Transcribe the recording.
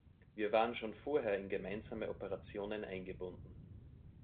Wir waren schon vorher in gemeinsame Operationen eingebunden.